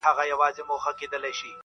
o خدایه مینه د قلم ورکي په زړو کي,